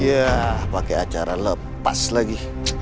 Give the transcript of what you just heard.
yah pake acara lepas lagi